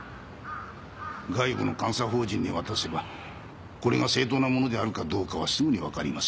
外部の監査法人に渡せばこれが正当なものであるかどうかはすぐにわかります。